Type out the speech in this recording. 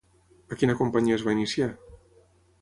A quina companyia es va iniciar?